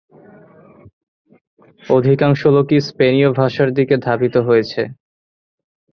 অধিকাংশ লোকই স্পেনীয় ভাষার দিকে ধাবিত হয়েছে।